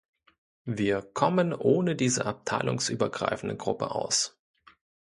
Wir kommen ohne diese abteilungsübergreifende Gruppe aus.